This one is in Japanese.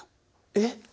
えっ！